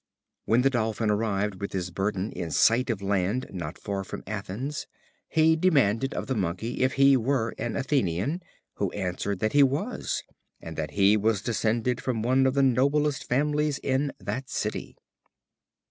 When the Dolphin arrived with his burden in sight of land not far from Athens, he demanded of the Monkey if he were an Athenian, who answered that he was, and that he was descended from one of the noblest families in that city.